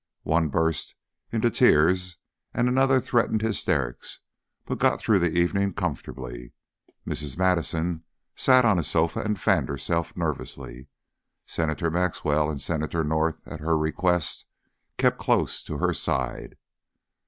One burst into tears and others threatened hysterics, but got through the evening comfortably. Mrs. Madison sat on a sofa and fanned herself nervously; Senator Maxwell and Senator North at her request kept close to her side.